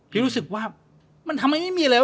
พี่รู้สึกว่ามันทำทำไมไม่มีอะไร